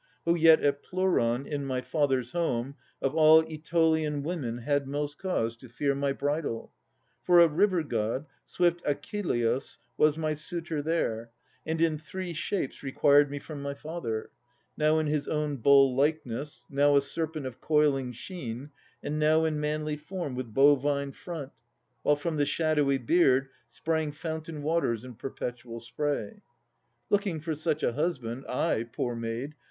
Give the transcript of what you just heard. Who yet at Pleuron, in my father's home, Of all Aetolian women had most cause To fear my bridal. For a river god, Swift Achelôüs, was my suitor there And sought me from my father in three forms; Now in his own bull likeness, now a serpent Of coiling sheen, and now with manlike build But bovine front, while from the shadowy beard Sprang fountain waters in perpetual spray. Looking for such a husband, I, poor girl!